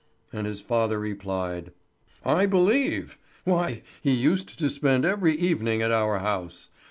And his father replied: "I believe! Why, he used to spend every evening at our house.